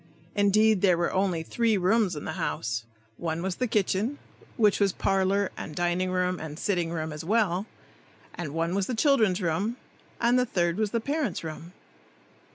Indeed, there were only three rooms in the house. One was the kitchen, which was parlor and dining room and sitting room as well, and one was the children's room, and the third was the parents' room.